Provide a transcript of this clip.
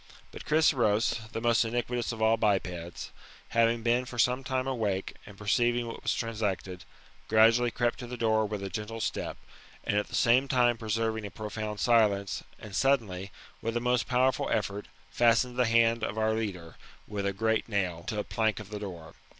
But Chryseros, the most iniquitous of all bipeds, having been for some time awake, and perceiving what was transacted, gradually crept to the door with a gentle step, and at the same time preserving a profound i^ilence, and suddenly, with a most powerful effort, fastened the band of our leader, with a great nail, to a plank of the door.